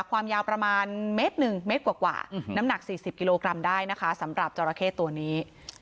ความยาวประมาณเมตรหนึ่งเมตรกว่าน้ำหนัก๔๐กิโลกรัมได้นะคะสำหรับจราเข้ตัวนี้